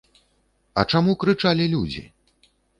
А чаму крычалі людзі?